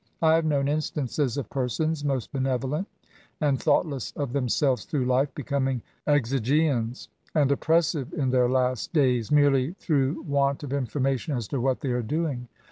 I have known instances of persons, most benevolent and thoughtless of themselves through life, becoming exigeans and oppressive in their last days, merely through want of information as to what they are doing.